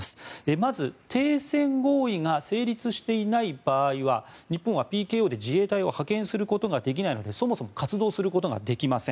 まず、停戦合意が成立していない場合は日本はＰＫＯで自衛隊を派遣することができないのでそもそも活動することができません。